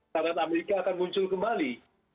karena amerika akan muncul kembali